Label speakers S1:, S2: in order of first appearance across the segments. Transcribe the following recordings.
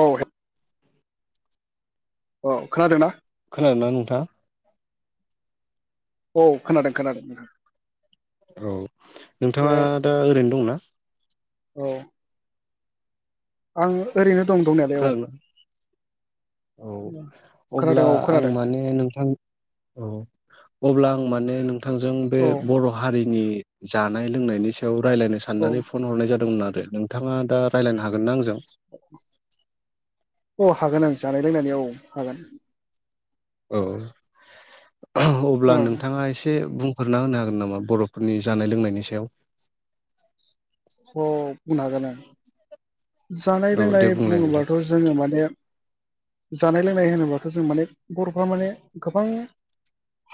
S1: औ। औ खोनादोंना
S2: खोनादोंना नोंथाङा?
S1: औ खोनादों खोनादों।
S2: औ
S1: बे
S2: नोंथाङा दा ओरैनो दंना?
S1: औ। आं ओरैनो दं दंनायालाय औ
S2: खोनादोंना औ
S1: खोनादों
S2: अब्ला
S1: औ
S2: आं
S1: खोनादों
S2: माने नोंथां औ। अब्ला आं माने थांजों बे
S1: औ
S2: बर' हारिनि। जानाय लोंनायनि सायाव रायलायनो
S1: औ
S2: साननानै फन हरनाय जादोंमोन आ दे नोंथाङा दा रायलायनो हागोन ना आंजों?
S1: औ हागोन आं जानाय लोंनायनि औ हागोन।
S2: औ। अब्ला
S1: ओं
S2: नोंथाङा एसे बुं फोरना होनो हागोन नामा बर'फोरनि जानाय लोंनायनि सायाव
S1: अ बुंनो हागोन ओं। जानाय
S2: औ दे
S1: लोंनाय
S2: बुंलाय नोंथां
S1: बुङोबाथ' जोङो माने जानाय लोंनाय होनोब्लााथ' जों माने बर'फ्रा माने गोबां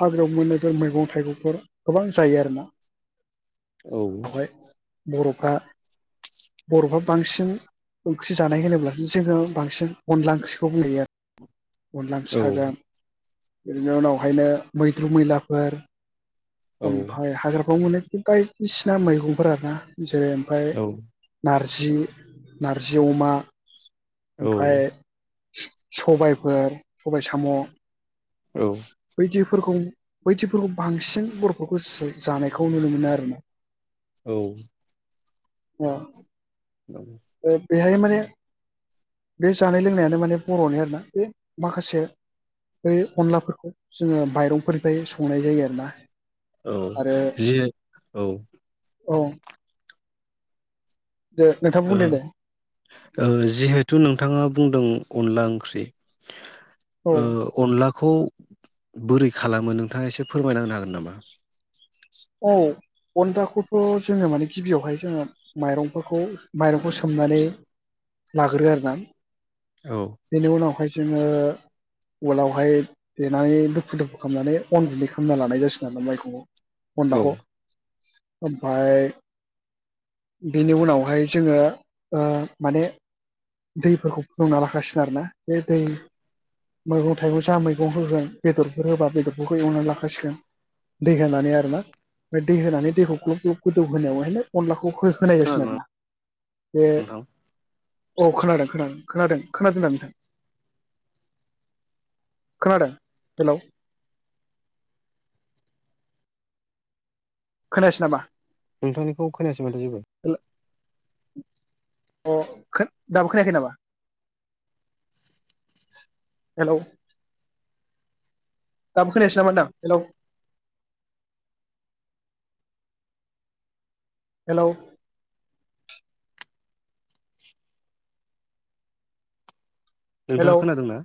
S1: हाग्रायाव मोननायफोर मैगं थाइगंफोर गोबां जायो आरोना।
S2: औ।
S1: बेवहाय बर'फ्रा बर'फ्रा बांसिन ओंख्रि जानाय होनोब्लासो जोङो बांसिन अनला ओंख्रिखौ बुंहैयो [inaudible]
S2: औ
S1: बिनि उनावहायनो मैद्रु मैलाफोर
S2: औ
S1: ओमफ्राय हाग्राफ्राव मोनो बायदिसिना मैगंफोर आरोना जेरै ओमफ्राय
S2: औ
S1: नार जि नारजि अमा ओमफ्राय
S2: औ
S1: सबायफोर सबाय साम'
S2: औ।
S1: बेफोरखौ बैदिफोरखौ बांसिन बर'फोरखौ जो जानायखौ नुनो मोनो आरो ना।
S2: औ।
S1: औ। ओ बेहाय माने बे जानाय लोंनायानो माने बर'नि आरो ना, बे माखासे बै अनलाफोरखौ जोङो माइरंफोरनिफ्राय संनाय जायो आरो ना
S2: औ जि औ।
S1: औ। दे नोंथां
S2: ओ
S1: बुंदो दे
S2: ओ जिहेथु नोंथाङा बुंदों अनला ओं ख्रि
S1: औ
S2: ओ अनला खौ बोरै खालामो नोंथाङा एसे फोरमायनांनो हागोन नामा?
S1: औ अनलाखौथ' जोङो माने गिबियावहाय जोङो माइरंफोरखौ माइरंखौ सोमनानै लाग्रो आरो ना
S2: औ
S1: बेनि उनावहाय जोङो उवालावहाय देनानै दुफु दुफु खालामनानै अन गुनदै खालामना लानाय जासिगोन आरोना माइखौ अनलाखौ ओमफाय बेनि उनावहाय जोङो ओ माने दैफोरखौ फुदुंना लाखासिगोन आरो ना। बे दै मैगं थाइगं जा मैगं होगोन बेदरफोर होबा बेदरफोरखौ एवनानै लाखाासिगोन दै होनानै आरोनामफ्राय दै होनानै दैखौ ग्लब ग्लब गोदौ होनायावहाय अनलाखौ खौ हो होनाय जासिगोन
S2: खोनादोंना
S1: आरोना बे
S2: नोंथां
S1: औ खोनादों खोनादों खोनादों। खोनादोंना नोंथां? खोनादों हेल'। खोनायासै नामा?
S2: नोंथांनिखौ खोनायासै माथो जेबो?
S1: हेल' अ, खो दाबो खोनायाखै नामा? हेलौ। दाबो खोनायासै नामा होनदां? हेल'। हेल'। हेलौ
S2: नोंथाङा खोनादोंना?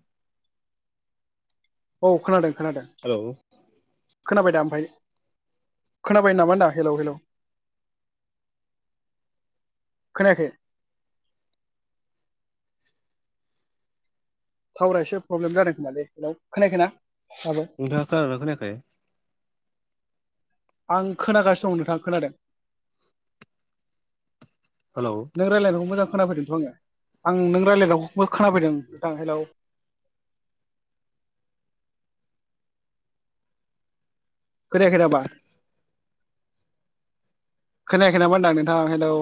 S1: औ खोनादों, खोनादों
S2: हेलौ।
S1: खोनाबाय दा ओमफाय? खोनाबाय नामा होनदां? हेलौ हेलौ, खोनायाखै? टावारा एसे प्रब्लेम जादों खोमालै। हेल्ल खोनायाखैना? दाबो
S2: नोंथाङा खोनादोंना खोनायाखै?
S1: आं खोनागासिनो दं नोंथां खोनादों।
S2: हेलौ
S1: नों रायज्लायनायखौ मोजां खोनाफैदोंथ' आङो आं नों रायज्लायनायखौबो खोनाफैदों नथां हेल्लौ। खोनायाखै नामा? खोनायाखै नामा होनदां नोंथां हेल्लौ।